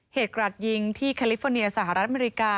กราดยิงที่แคลิฟอร์เนียสหรัฐอเมริกา